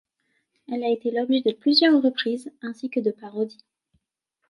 Elle a été l'objet de plusieurs reprises, ainsi que de parodies.